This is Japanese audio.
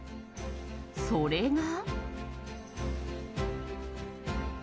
それが。